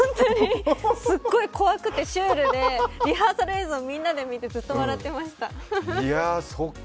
すっごく怖くてシュールでリハーサル映像みんなで見てずっと笑ってました。